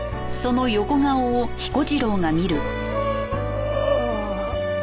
ああ。